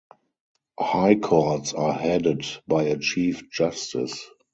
High Courts are headed by a Chief Justice.